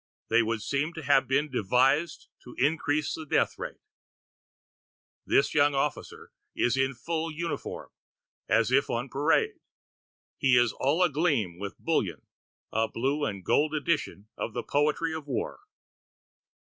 They would seem to have been devised to increase the death rate. This young officer is in full uniform, as if on parade. He is all agleam with bullion, a blue and gold edition of the Poetry of War.